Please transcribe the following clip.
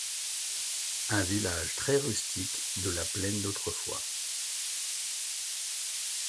Un village très rustique de la plaine d'autrefois.